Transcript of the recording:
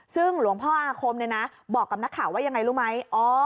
ซึ่งหลวงพ่ออาคมเนี่ยนะบอกกับนักข่าวว่ายังไงรู้ไหม